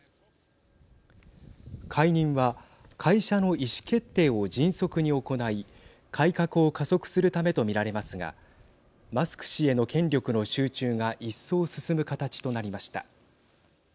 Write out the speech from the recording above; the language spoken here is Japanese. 解任は会社の意思決定を迅速に行い改革を加速するためと見られますがマスク氏への権力の集中が一層進む形となりました。